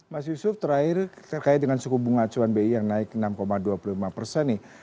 mas yusuf terakhir terkait dengan suku bunga acuan bi yang naik enam dua puluh lima persen nih